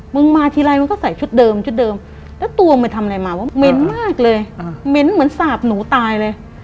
มึงมาทีไรมึงก็ใส่ชุดเดิมแล้วตัวมันทำอะไรมาวะเม้นมากเลยเม้นเหมือนสาบหนูตายเลย